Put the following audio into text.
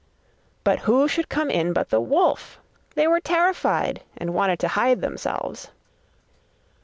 But who should come in but the wolf! They were terrified and wanted to hide themselves.